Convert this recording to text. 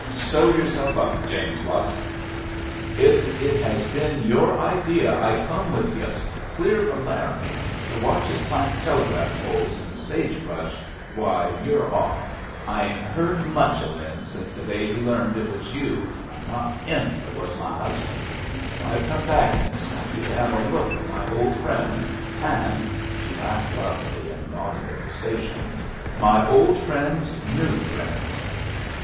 "Sew yourself up, James Lusk. If it has been your idea I come with yus clear from Laramie to watch yus plant telegraph poles in the sage brush, why you're off. I ain't heard much 'o Lin since the day he learned it was you and not him that was my husband. And I've come back in this country to have a look at my old friends and" (she laughed loudly and nodded at the station) "my old friends' new friends!"